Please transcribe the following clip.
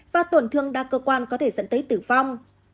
và tổn thương đa cơ quan có thể dẫn tới tử vong